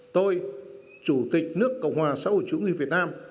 tôi chủ tịch nước cộng hòa xã hội chủ nghĩa việt nam